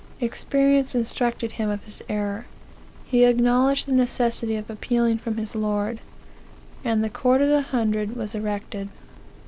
Experience instructed him of his error", he acknowledged the necessity of appealing from his lord; and the court of the Hundred was erected.